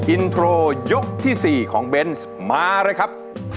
อินโทรยกที่๔ของเบนส์มาเลยครับ